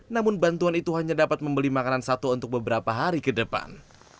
namun bantuan itu hanya dapat membeli makanan satwa untuk beberapa hari ke depan